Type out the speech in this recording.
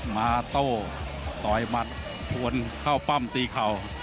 โต้ต่อยมัดชวนเข้าปั้มตีเข่า